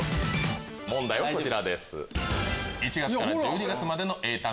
問題はこちらです。